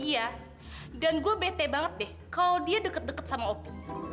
iya dan gue bete banget deh kalau dia deket deket sama opu